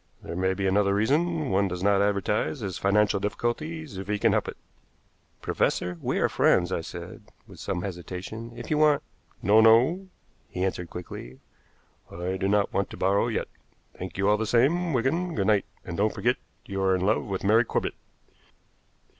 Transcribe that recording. "There may be another reason. One does not advertise his financial difficulties if he can help it." "Professor, we are friends," I said, with some hesitation. "If you want " "No, no," he answered quickly, "I do not want to borrow yet. Thank you all the same, Wigan. Good night. And don't forget you are in love with Mary Corbett."